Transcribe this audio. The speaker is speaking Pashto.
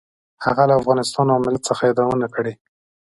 هغه له افغانستان او ملت څخه یادونه کړې.